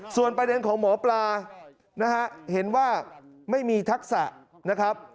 ส่วนประเด็นของหมอปลานะฮะเห็นว่าไม่มีทักษะนะครับ